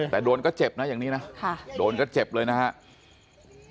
แต่โดนก็เจ็บนะอย่างนี้นะโดนก็เจ็บเลยนะครับ